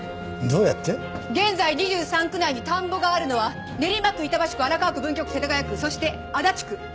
現在２３区内に田んぼがあるのは練馬区板橋区荒川区文京区世田谷区そして足立区。